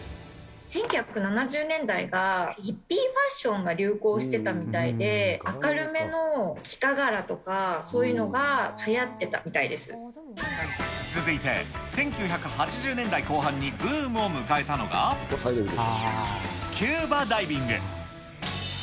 １９７０年代がヒッピーファッションが流行してたみたいで、明るめの幾何柄とか、そういうの続いて、１９８０年代後半にブームを迎えたのが、スキューバダイビング。